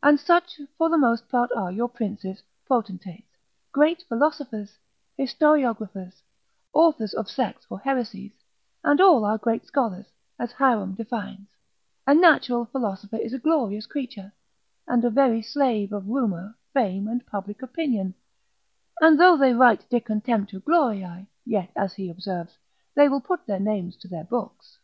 And such for the most part are your princes, potentates, great philosophers, historiographers, authors of sects or heresies, and all our great scholars, as Hierom defines; a natural philosopher is a glorious creature, and a very slave of rumour, fame, and popular opinion, and though they write de contemptu gloriae, yet as he observes, they will put their names to their books.